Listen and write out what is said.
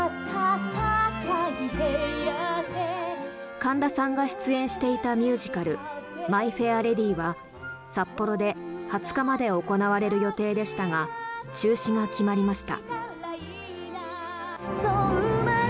神田さんが出演していたミュージカル「マイ・フェア・レディ」は札幌で２０日まで行われる予定でしたが中止が決まりました。